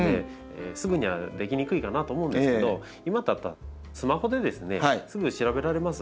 すぐにはできにくいかなと思うんですけど今だったらスマホですぐ調べられます。